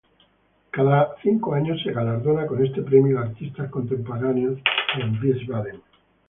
Cada cinco años se galardona con este premio a artistas contemporáneos en Wiesbaden.